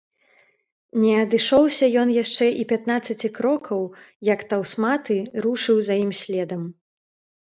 Не адышоўся ён яшчэ і пятнаццаці крокаў, як таўсматы рушыў за ім следам.